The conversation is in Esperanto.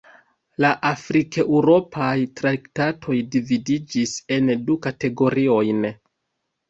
La afrikeŭropaj traktatoj dividiĝis en du kategoriojn.